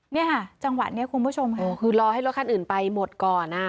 เนี่ยค่ะจังหวะนี้คุณผู้ชมค่ะคือรอให้รถคันอื่นไปหมดก่อนอ่ะ